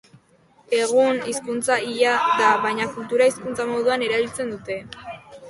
Egun, hizkuntza hila da baina kultura-hizkuntza moduan erabiltzen dute.